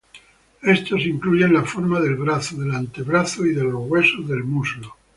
Estos incluyen la forma del brazo, del antebrazo y de los huesos del muslo.